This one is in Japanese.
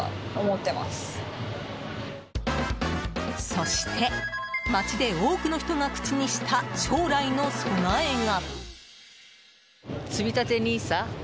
そして街で多くの人が口にした将来の備えが。